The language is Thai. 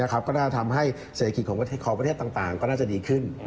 ก็น่าจะทำให้เศรษฐกิจของประเทศของประเทศต่างก็น่าจะดีขึ้น